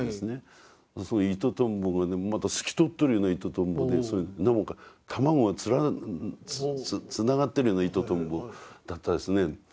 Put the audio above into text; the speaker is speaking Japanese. そのイトトンボがねまた透き通ってるようなイトトンボで卵がつながってるようなイトトンボだったですね。